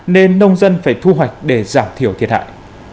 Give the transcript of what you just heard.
nên nông dân phải thu hoạch để giảm thiểu thiệt hại